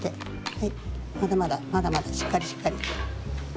はいまだまだまだまだしっかりしっかり。